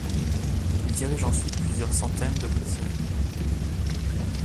Il dirige ensuite plusieurs centaines de concerts.